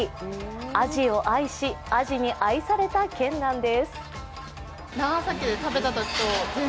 あじを愛し、あじに愛された県なんです。